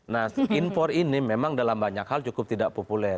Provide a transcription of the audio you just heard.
nah impor ini memang dalam banyak hal cukup tidak populer